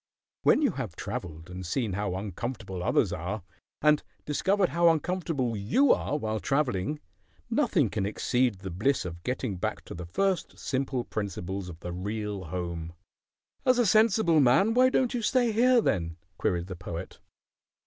When you have travelled and seen how uncomfortable others are, and discovered how uncomfortable you are while travelling, nothing can exceed the bliss of getting back to the first simple principles of the real home." "As a sensible man, why don't you stay here, then?" queried the Poet.